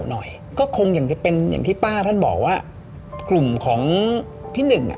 หน่อยก็คงอย่างจะเป็นอย่างที่ป้าท่านบอกว่ากลุ่มของพี่หนึ่งอ่ะ